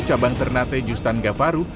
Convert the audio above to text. cabang ternate justin gavaru